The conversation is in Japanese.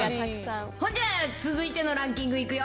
ほんじゃ、続いてのランキングいくよ。